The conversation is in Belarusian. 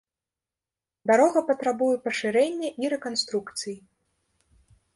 Дарога патрабуе пашырэння і рэканструкцыі.